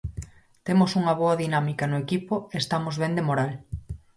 Temos unha boa dinámica no equipo e estamos ben de moral.